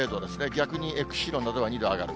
逆に釧路などは２度上がる。